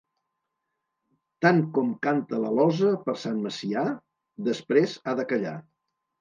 Tant com canta l'alosa per Sant Macià, després ha de callar.